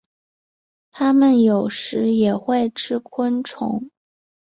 它们有时也会吃昆虫。